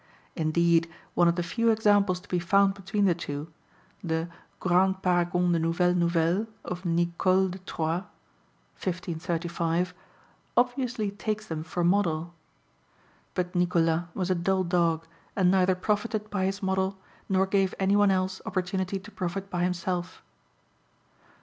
Indeed, one of the few examples to be found between the two, the Grand Paragon de Nouvelles Nouvelles of Nicolas de Troyes (1535), obviously takes them for model. But Nicolas was a dull dog, and neither profited by his model nor gave any one else opportunity to profit by himself.